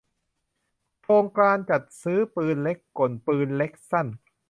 โครงการจัดซื้อปืนเล็กกล ปืนเล็กสั้น